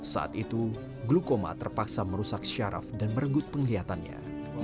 saat itu glukoma terpaksa merusak syaraf dan merenggut penglihatannya